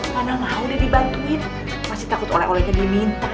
mana mau dibantuin masih takut oleh olehnya diminta